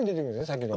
さっきの。